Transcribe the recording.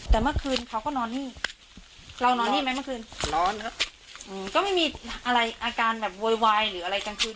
แต่เมื่อคืนเขาก็นอนนี่เรานอนนี่ไหมเมื่อคืนนอนอืมก็ไม่มีอะไรอาการแบบโวยวายหรืออะไรกลางคืน